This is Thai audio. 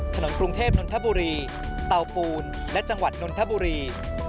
กรุงเทพนนทบุรีเตาปูนและจังหวัดนนทบุรี